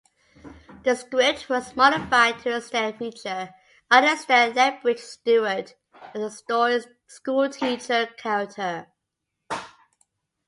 The script was modified to instead feature Alistair Lethbridge-Stewart as the story's schoolteacher character.